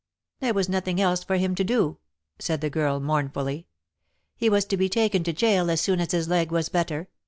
"There was nothing else for him to do," said the girl mournfully. "He was to be taken to gaol as soon as his leg was better.